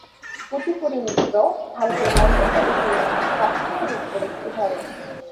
কুচিপুড়ি নৃত্য ভারতের অন্ধ্রপ্রদেশের শাস্ত্রীয় নৃত্যের একটি ধরন।